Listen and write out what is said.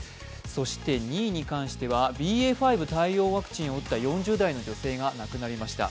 そして２位に関しては、ＢＡ．５対応型ワクチンを打った４０代の女性が亡くなりました。